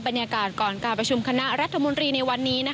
บรรยากาศก่อนการประชุมคณะรัฐมนตรีในวันนี้